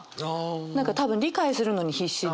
何か多分理解するのに必死で。